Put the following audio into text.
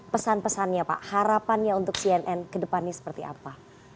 pesan pesannya pak harapannya untuk cnn kedepannya seperti apa